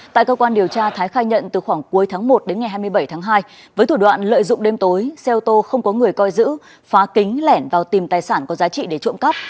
tại cơ quan điều tra thái khai nhận từ khoảng cuối tháng một đến ngày hai mươi bảy tháng hai với thủ đoạn lợi dụng đêm tối xe ô tô không có người coi giữ phá kính lẻn vào tìm tài sản có giá trị để trộm cắp